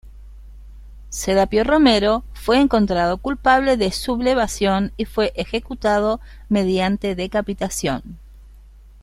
Serapio Romero, fue encontrado culpable de sublevación y fue ejecutado mediante decapitación.